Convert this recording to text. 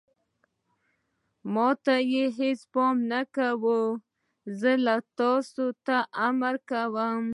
ما ته یې هېڅ پام نه کاوه، زه تاسې ته امر کوم.